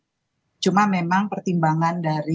jadi kita pernah mbak mira mengajukan rekomendasi untuk dicabut